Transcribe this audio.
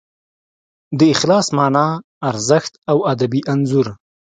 د اخلاص مانا، ارزښت او ادبي انځور